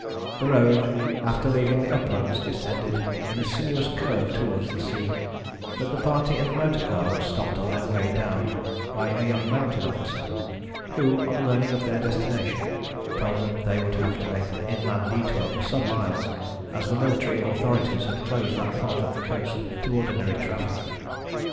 The road, after leaving the uplands, descended in a sinuous curve towards the sea, but the party in the motor car were stopped on their way down by a young mounted officer, who, on learning of their destination, told them they would have to make an inland detour for some miles, as the military authorities had closed that part of the coast to ordinary traffic.